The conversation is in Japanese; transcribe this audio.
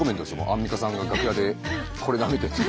アンミカさんが楽屋でこれなめてても。